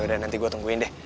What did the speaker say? udah nanti gue tungguin deh